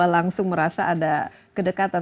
langsung merasa ada kedekatan